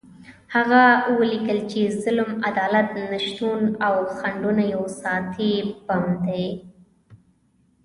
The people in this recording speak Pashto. هغه ولیکل چې ظلم، عدالت نشتون او خنډونه یو ساعتي بم دی.